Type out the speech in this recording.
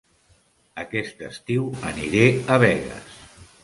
Aquest estiu aniré a Begues